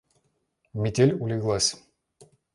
Метель улеглась.